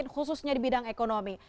khususnya di bidang ekonomi